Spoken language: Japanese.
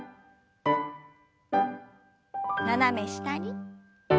斜め下に。